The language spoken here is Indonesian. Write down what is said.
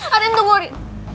arin tunggu rin